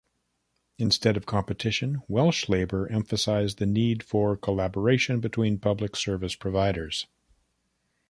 Instead of competition, Welsh Labour emphasised the need for collaboration between public service providers.